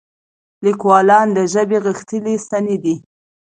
لیکوالان د ژبې غښتلي ستني دي.